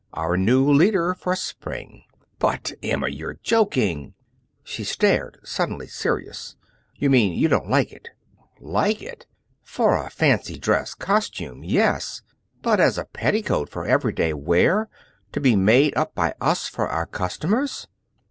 "Our new leader for spring." "But, Emma, you're joking!" She stared, suddenly serious. "You mean you don't like it!" "Like it! For a fancy dress costume, yes; but as a petticoat for every day wear, to be made up by us for our customers!